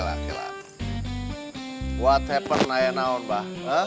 apa yang terjadi sekarang pak